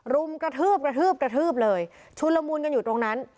รุมกระทืบกระทืบกระทืบเลยชุนละมุนกันอยู่ตรงนั้น